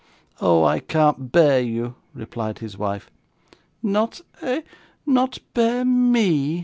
'Oh! I can't bear you,' replied his wife. 'Not eh, not bear ME!